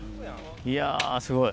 いやー、すごい。